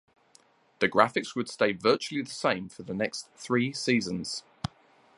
The graphics would stay virtually the same for the next three seasons.